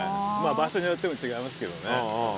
場所によっても違いますけどね。